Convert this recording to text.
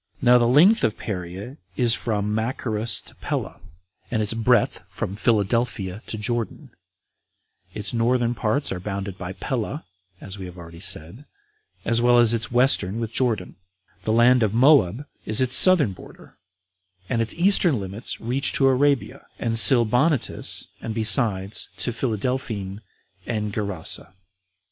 Now the length of Perea is from Machaerus to Pella, and its breadth from Philadelphia to Jordan; its northern parts are bounded by Pella, as we have already said, as well as its Western with Jordan; the land of Moab is its southern border, and its eastern limits reach to Arabia, and Silbonitis, and besides to Philadelphene and Gerasa.